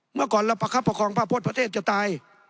เมื่อก่อนเราประคับประคองพระพจน์ประเทศจะตาย